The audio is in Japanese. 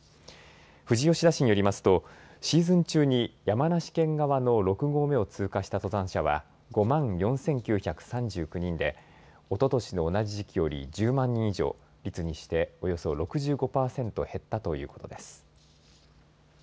富士吉田市によりますとシーズン中に山梨県側の６合目を通過した登山者は５万４９３９人でおととしの同じ時期より１０万人以上、率にしておよそ６５％減ったということです。